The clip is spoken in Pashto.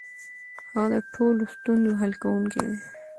هغه د ټولو ستونزو حل کونکی دی.